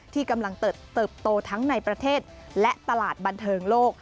ที่กำลังเติบโตทั้งในประเทศและตลาดบันเทิงโลก